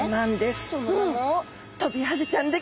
その名もトビハゼちゃん？